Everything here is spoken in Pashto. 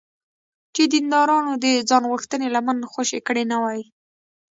چې دیندارانو د ځانغوښتنې لمن خوشې کړې نه وي.